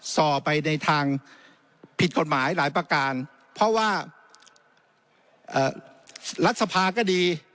ส่อไปในทางผิดกฎหมายหลายประการเพราะว่ารัฐสภาก็ดี